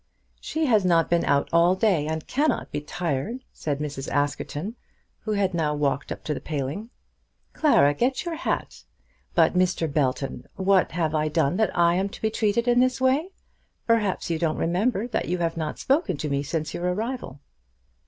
"She has not been out all day, and cannot be tired," said Mrs. Askerton, who had now walked up to the paling. "Clara, get your hat. But, Mr. Belton, what have I done that I am to be treated in this way? Perhaps you don't remember that you have not spoken to me since your arrival."